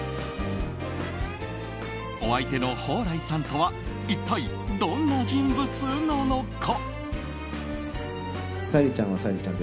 お相手の蓬莱さんとは一体、どんな人物なのか。